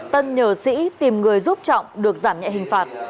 tân nhờ sĩ tìm người giúp trọng được giảm nhẹ hình phạt